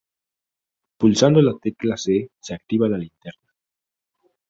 Pulsando la tecla "C" se activaba la linterna.